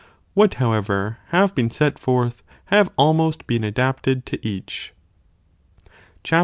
What, however, have HAG lai been set forth have almost been adapted to eache! Cap.